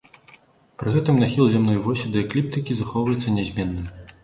Пры гэтым нахіл зямной восі да экліптыкі захоўваецца нязменным.